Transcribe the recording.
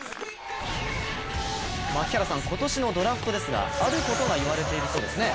今年のドラフトですがあることが言われているそうですね？